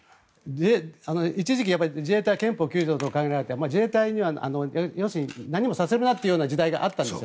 一時期、自衛隊は憲法９条との兼ね合いがあって自衛隊には要するに何もさせるなという時代があったんです。